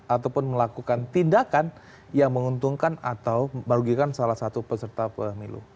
ataupun melakukan tindakan yang menguntungkan atau merugikan salah satu peserta pemilu